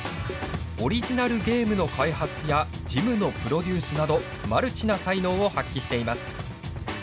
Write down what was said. オリジナルゲームの開発やジムのプロデュースなどマルチな才能を発揮しています。